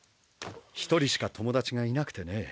１人しか友達がいなくてね。